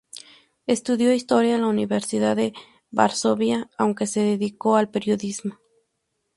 Estudió Historia en la Universidad de Varsovia, aunque se dedicó al periodismo.